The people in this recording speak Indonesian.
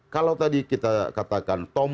kalau tadi kita katakan